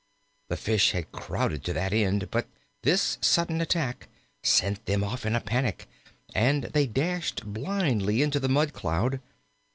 The fish had crowded to that end, but this sudden attack sent them off in a panic, and they dashed blindly into the mud cloud.